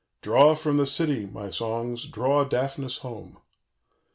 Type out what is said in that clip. "_Draw from the city, my songs, draw Daphnis home.